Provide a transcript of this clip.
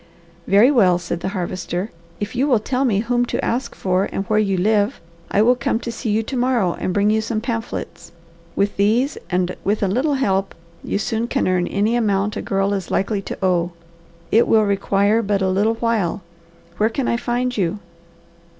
"Very well," said the Harvester. "If you will tell me whom to ask for and where you live, I will come to see you to morrow and bring you some pamphlets. With these and with a little help you soon can earn any amount a girl is likely to owe. It will require but a little while. Where can I find you?"